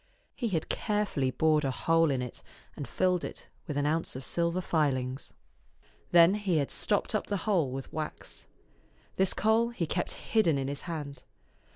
He had carefully bored a hole in it, and filled it with an ounce of silver filings. Then he had stopped up the hole with wax. This coal he kept hidden in his hand.